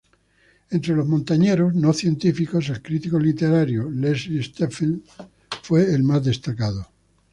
Entre los montañeros no científicos, el crítico literario Leslie Stephen fue el más destacado.